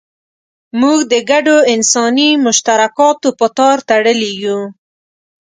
موږ د ګډو انساني مشترکاتو په تار تړلي یو.